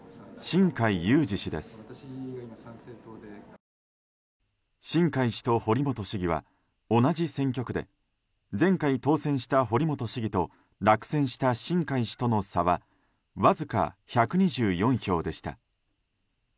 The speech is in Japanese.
新開氏と堀本市議は同じ選挙区で前回当選した堀本市議と落選した新開氏との差はわずか１２４票でした。